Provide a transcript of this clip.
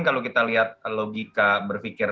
kalau kita lihat logika berpikir